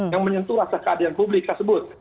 yang menyentuh rasa keadilan publik tersebut